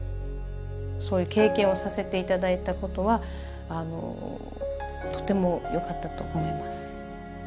そういう経験をさせて頂いたことはとてもよかったと思います。